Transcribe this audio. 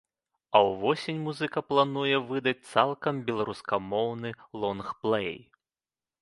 А ўвосень музыка плануе выдаць цалкам беларускамоўны лонгплэй.